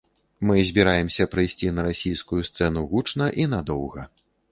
Мы збіраемся прыйсці на расійскую сцэну гучна і надоўга.